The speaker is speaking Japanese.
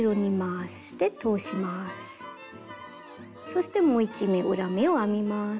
そしてもう１目裏目を編みます。